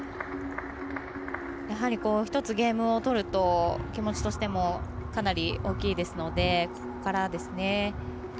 １つゲームを取ると気持ちとしてもかなり、大きいですのでここからですね。